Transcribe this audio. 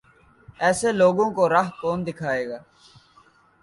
ایسے لوگوں کو راہ کون دکھائے گا؟